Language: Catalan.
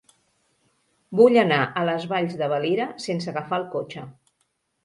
Vull anar a les Valls de Valira sense agafar el cotxe.